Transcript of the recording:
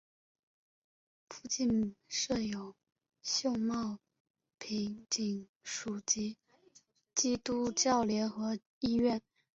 附近设有秀茂坪警署及基督教联合医院。